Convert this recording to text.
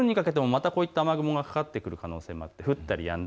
夜にかけても、こういった雨雲がかかってくる可能性があります。